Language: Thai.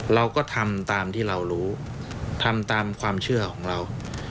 เราก็ทำตามที่เรารู้ทำตามความเชื่อของเรา